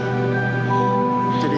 aku ingin mencobanya